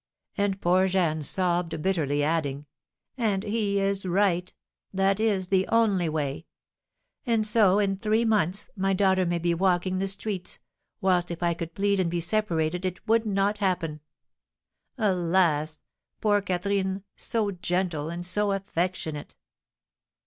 '" and poor Jeanne sobbed bitterly, adding, "And he is right that is the only way! And so, in three months, my daughter may be walking the streets, whilst if I could plead and be separated it would not happen. Alas, poor Catherine, so gentle and so affectionate!"